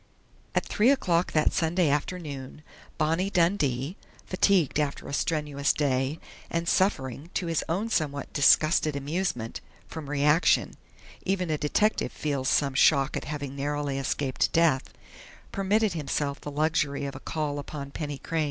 At three o'clock that Sunday afternoon Bonnie Dundee, fatigued after a strenuous day, and suffering, to his own somewhat disgusted amusement, from reaction even a detective feels some shock at having narrowly escaped death permitted himself the luxury of a call upon Penny Crain.